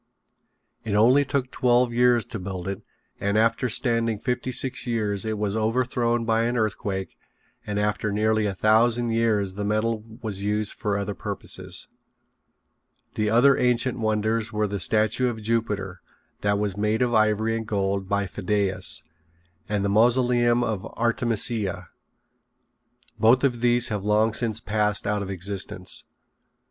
It only took twelve years to build it and after standing fifty six years it was overthrown by an earthquake and after nearly a thousand years the metal was used for other purposes. The other ancient wonders were the Statue of Jupiter that was made of ivory and gold by Phidias, and the Mausoleum of Artemisia. Both of these have long since passed out of existence.